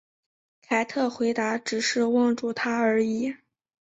凯特回答只是望住他而已。